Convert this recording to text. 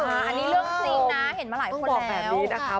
อันนี้เรื่องจริงนะเห็นมาหลายคนแล้ว